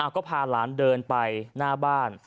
ก็พาหลานเดินไปหน้าบ้าน